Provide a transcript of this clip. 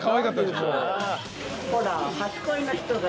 ほら。